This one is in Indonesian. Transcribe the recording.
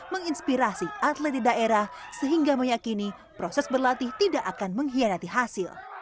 menginspirasi atlet di daerah sehingga meyakini proses berlatih tidak akan mengkhianati hasil